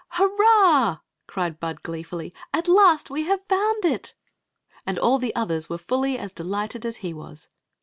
*• Hurrah r cried Bud, gleefully; '^at last we have found it !" And all the others were fully as delighted as he was.